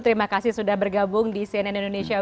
terima kasih sudah bergabung di cnn indonesia